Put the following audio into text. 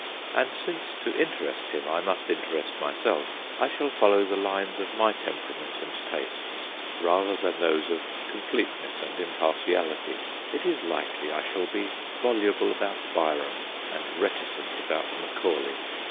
And since to interest him I must interest myself, I shall follow the lines of my tem perament and tastes rather than those of x THE GHOSTS OF PICCADILLY completeness and impartiality : it is likely I shall be voluble about Byron and reticent about Macaulay.